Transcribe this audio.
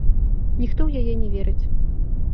Ніхто ў яе не верыць.